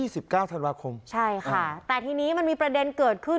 สิบเก้าธันวาคมใช่ค่ะแต่ทีนี้มันมีประเด็นเกิดขึ้น